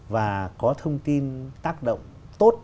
và có thông tin tác động tốt